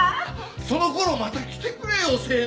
そのころまた来てくれよ青年